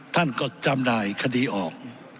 ท่านก็จำหน่ายคดีออก